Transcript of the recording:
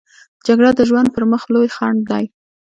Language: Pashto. جګړه د ژوند پر مخ لوی خنډ دی